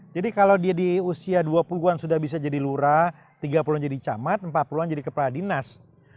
jadi kalau dia di usia dua puluh an sudah bisa jadi lurah tiga puluh an jadi camat empat puluh an jadi kepala dinas